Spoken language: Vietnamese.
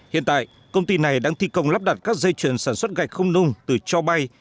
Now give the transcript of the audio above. hiện tại công ty này đang thi công lắp đặt các dây chuyển sản xuất gạch không nung từ cho bay